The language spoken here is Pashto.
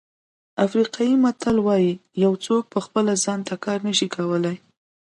افریقایي متل وایي یو څوک په خپله ځان ته کار نه شي کولای.